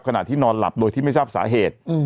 ขณะที่นอนหลับโดยที่ไม่ทราบสาเหตุ